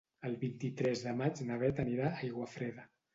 El vint-i-tres de maig na Bet anirà a Aiguafreda.